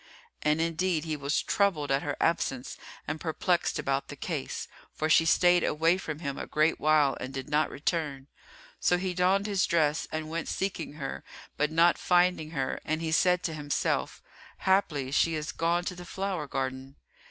And indeed he was troubled at her absence and perplexed about the case, for she stayed away from him a great while and did not return; so he donned his dress and went seeking her but not finding her, and he said to himself, "Haply, she is gone to the flower garden."